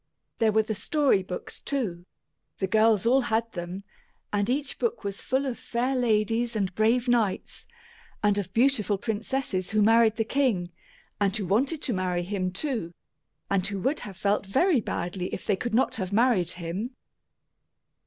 There were the story books, too. The girls all had them, and each book was full of fair ladies and brave knights, and of beautiful princesses who married the king and who wanted to marry him, too, and who would have felt very badly if they could not have married him!